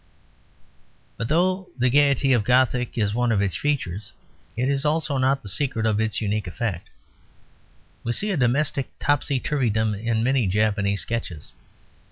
But though the gaiety of Gothic is one of its features, it also is not the secret of its unique effect. We see a domestic topsy turvydom in many Japanese sketches.